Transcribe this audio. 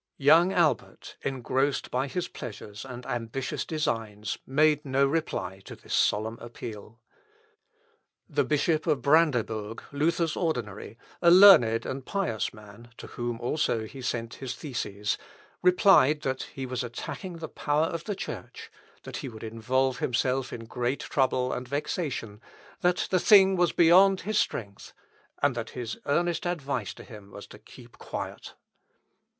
Young Albert, engrossed by his pleasures and ambitious designs, made no reply to this solemn appeal. The Bishop of Brandebourg, Luther's ordinary a learned and pious man, to whom, also, he sent his theses replied that he was attacking the power of the Church, that he would involve himself in great trouble and vexation, that the thing was beyond his strength, and that his earnest advice to him was to keep quiet.